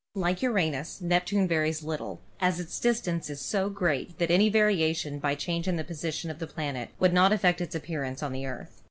Like Uranus, Neptune varies little, as its distance is so great that any variation by change in the position of the planet would not affect its appearance on the Earth.